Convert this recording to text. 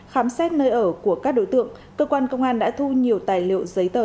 khám xét nơi ở của các đối tượng cơ quan công an đã thu nhiều tài liệu giấy tờ